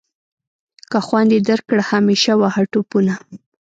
که خوند یې درکړ همیشه وهه ټوپونه.